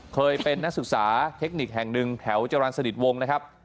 เคยเป็นนักศึกษาเทคนิคแห่งหนึ่งแถวจรรย์สนิทวงศ์นะครับ